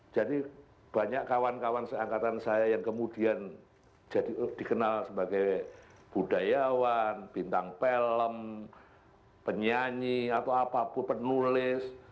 jadi banyak kawan kawan seangkatan saya yang kemudian dikenal sebagai budayawan bintang pelem penyanyi atau apapun penulis